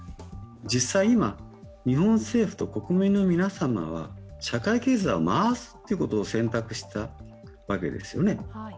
実際には日本政府と国民の皆様は社会経済を回すということを選択したわけですよね。